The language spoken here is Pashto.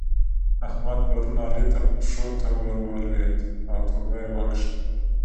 احمد پرون علي ته پښو ته ور ولېد او توبه يې وکښه.